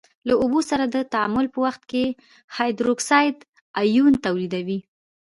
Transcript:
له اوبو سره د تعامل په وخت کې هایدروکساید آیون تولیدوي.